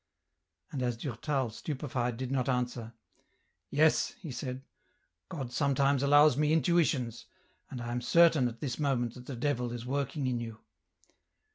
" And as Durtal, stupefied, did not answer, " Yes," he said, *' God sometimes allows me intuitions, and I am certain at this moment that the devil is working in you.